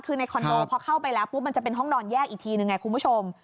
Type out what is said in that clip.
คือในคอนโดพอเข้าไปแล้วปุ๊บมันจะเป็นห้องนอนแยกอีกทีนึงไงคุณผู้ชม